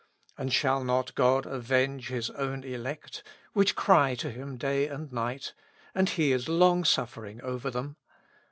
And shall not God avejtge His own elect, zvhich cry to Him day and nighty and He is long suffering over ihem